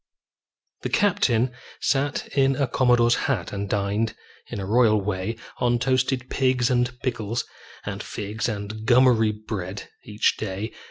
The captain sat in a commodore's hat And dined, in a royal way, On toasted pigs and pickles and figs And gummery bread, each day.